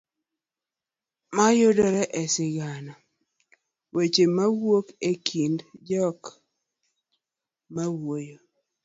mayudore e sigana; weche mawuok e kind jok mawuoyo